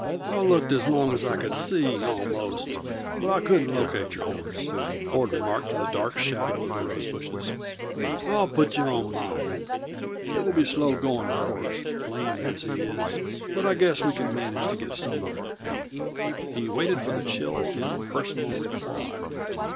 "I looked as long as I could see, almost, but I couldn't locate your horse," Ford remarked to the dark shadow of the rose bushes. "I'll put you on mine. It will be slow going, of course lame as he is but I guess we can manage to get somewhere." He waited for the chill, impersonal reply.